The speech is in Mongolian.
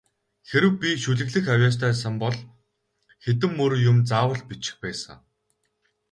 Хэрэв би шүлэглэх авьяастай сан бол хэдэн мөр юм заавал бичих байсан.